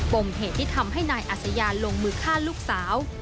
มเหตุที่ทำให้นายอัศยานลงมือฆ่าลูกสาว